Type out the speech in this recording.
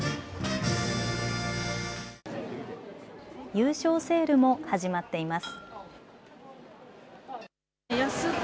優勝セールも始まっています。